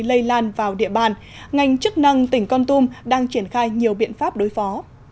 lây lan vào địa bàn ngành chức năng tỉnh con tum đang triển khai nhiều biện pháp đối phó